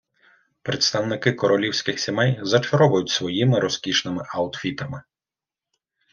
Представники королівських сімей зачаровують своїми розкішними аутфітами.